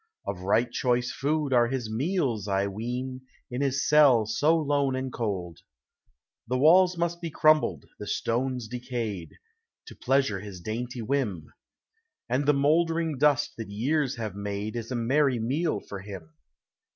Of right choice food arc his meals, I ween, In his cell so lone and cold. The walls imisl be crumbled, the stones decayed, To pleasure his dainty whim ; And the mouldering dnsl thai years have made Is a merry meal for him.